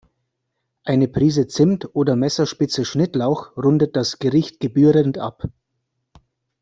Eine Prise Zimt oder Messerspitze Schnittlauch rundet das Gericht gebührend ab.